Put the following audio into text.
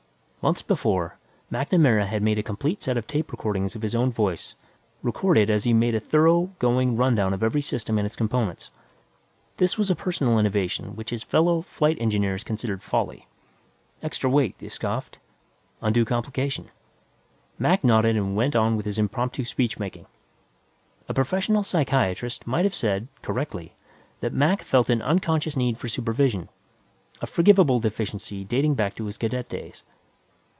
Months before, MacNamara had made a complete set of tape recordings of his own voice, recorded as he made a thorough going rundown of every system and its components. This was a personal innovation which his fellow flight engineers considered folly. Extra weight, they scoffed. Undue complication. Mac nodded and went on with his impromptu speechmaking; a professional psychiatrist might have said, correctly, that Mac felt an unconscious need for supervision, a forgivable deficiency dating back to his cadet days.